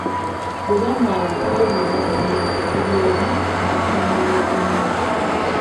Bwe baamala okwebuuza buli omu n'atunuulira munne.